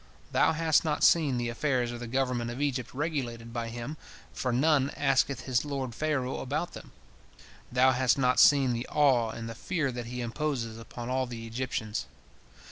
Thou hast not seen the affairs of the government of Egypt regulated by him, for none asketh his lord Pharaoh about them. Thou hast not seen the awe and the fear that he imposes upon all the Egyptians.